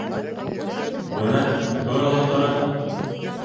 Бына тора ла тора.